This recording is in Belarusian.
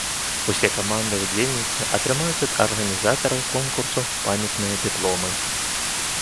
Усе каманды-ўдзельніцы атрымаюць ад арганізатараў конкурсу памятныя дыпломы.